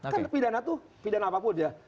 kan pidana itu pidana apapun ya